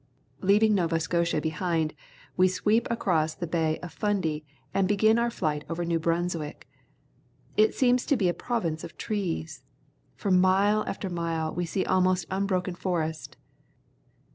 Leaving No\a Scotia behind, we sweep across the Bay of Fundy and begin our flight over Neic Brunswick. It seems to be a province of trees. For mile after mile we see almost unbroken forest.